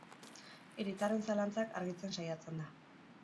Hiritarren zalantzak argitzen saiatzen da.